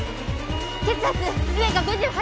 血圧上が５８！